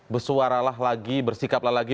bersuaralah lagi bersikaplah lagi